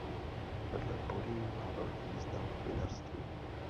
Vedle polí má velký význam vinařství.